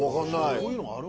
そういうのがある。